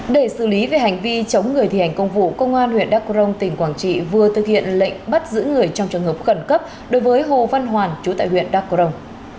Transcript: để xử lý về hành vi chống người thi hành công vụ công an huyện đắk cổ rồng tỉnh quảng trị vừa thực hiện lệnh bắt giữ người trong trường hợp khẩn cấp đối với hồ văn hoàn chú tại huyện đắk cổ rồng